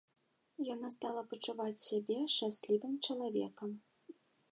Яна стала пачуваць сябе шчаслівым чалавекам.